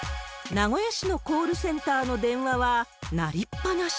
名古屋市のコールセンターの電話は鳴りっぱなし。